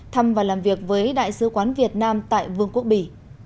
thăm và làm việc với đại sứ quán việt nam tại vương quốc bỉ